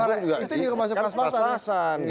itu juga masuk pas pasan